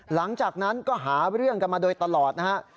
หลังจากนั้นก็หาเรื่องกันมาโดยตลอดนะฮะ